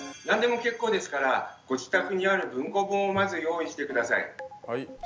何でも結構ですからご自宅にある文庫本をまず用意して下さい。